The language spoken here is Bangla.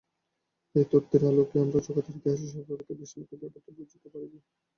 এই তত্ত্বের আলোকে আমরা জগতের ইতিহাসের সর্বাপেক্ষা বিস্ময়কর ব্যাপারটি বুঝিতে পারিব।